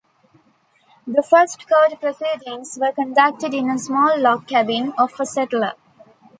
The first court proceedings were conducted in a small log cabin of a settler.